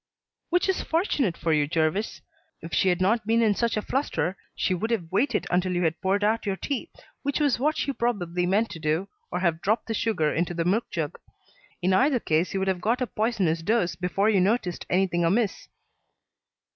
"Which is fortunate for you, Jervis. If she had not been in such a fluster, she would have waited until you had poured out your tea, which was what she probably meant to do, or have dropped the sugar into the milk jug. In either case you would have got a poisonous dose before you noticed anything amiss."